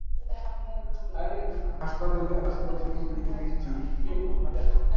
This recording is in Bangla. হাসপাতালের আশেপাশের মিলিয়ে বিশজন।